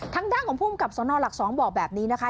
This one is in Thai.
ทางด้านของภูมิกับสนหลัก๒บอกแบบนี้นะคะ